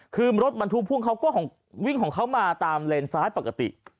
คือรถบรรทุกพ่วงเขาก็วิ่งของเขามาตามเลนซ้ายปกติ